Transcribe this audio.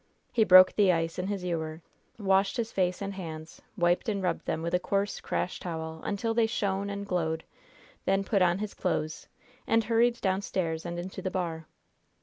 He broke the ice in his ewer, washed his face and hands, wiped and rubbed them with a coarse, crash towel until they shone and glowed, then put on his clothes, and hurried downstairs and into the bar.